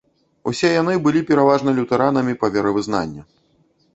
Усе яны былі пераважна лютэранамі па веравызнанню.